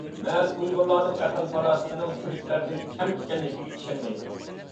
مەن ئۇيغۇرلارنىڭ ئەقىل-پاراسىتىنىڭ تۈركلەردىن كەم ئىكەنلىكىگە ئىشەنمەيمەن.